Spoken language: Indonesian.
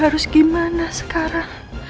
gue harus gimana sekarang